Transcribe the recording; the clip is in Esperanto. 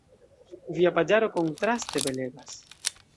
Via paĝaro, kontraste, belegas.